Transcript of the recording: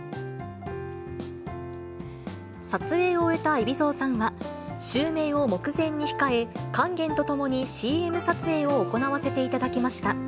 撮影を終えた海老蔵さんは、襲名を目前に控え、勸玄と共にＣＭ撮影を行わせていただきました。